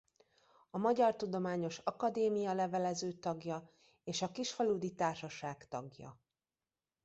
A Magyar Tudományos Akadémia levelező tagja és a Kisfaludy Társaság tagja.